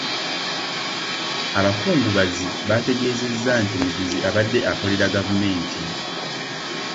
Abakungubazi baategeezezza nti Mujuzi abadde akolera gavumenti.